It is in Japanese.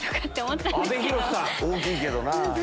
大きいけどな。